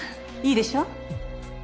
いいでしょ？